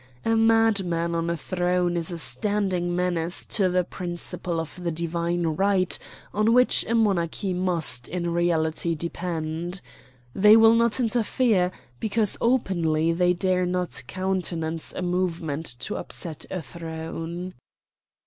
A madman on a throne is a standing menace to the principle of the Divine Right on which a monarchy must in reality depend. They will not interfere, because openly they dare not countenance a movement to upset a throne."